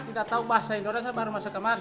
kita tahu bahasa indonesia baru masa kemarin